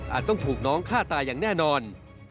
ต้องถูกน้องฆ่าตายอย่างแน่นอน